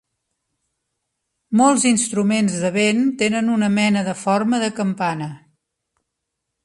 Molts instruments de vent tenen una mena de forma de campana.